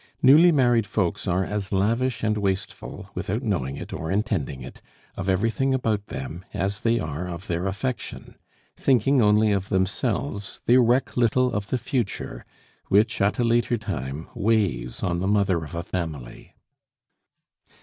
Newly married folks are as lavish and wasteful, without knowing it or intending it, of everything about them as they are of their affection. Thinking only of themselves, they reck little of the future, which, at a later time, weighs on the mother of a family.